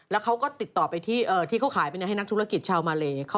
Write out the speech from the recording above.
แล้วเขาก็ติดต่อไปที่เขาขายไปให้นักธุรกิจชาวมาเล